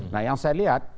nah yang saya lihat